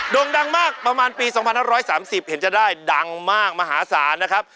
่งดังมากประมาณปี๒๕๓๐เห็นจะได้ดังมากมหาศาลนะครับ